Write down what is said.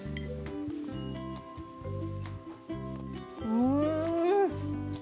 うん！